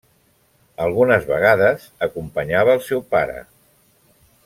Algunes vegades, acompanyava el seu pare.